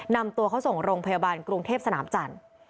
นำตัวเขาส่งโรงพยาบาลกรุงเทพสนามจันทร์